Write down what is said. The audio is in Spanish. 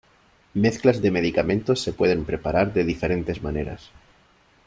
Mezclas de medicamentos se pueden preparar de diferentes maneras.